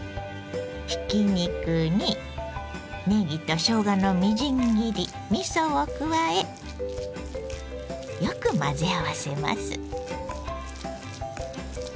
ひき肉にねぎとしょうがのみじん切りみそを加えよく混ぜ合わせます。